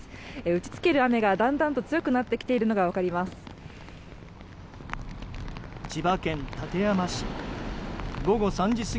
打ち付ける雨がだんだんと強くなってきているのが分かります。